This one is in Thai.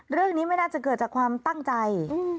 เรื่องนี้ไม่น่าจะเกิดจากความตั้งใจ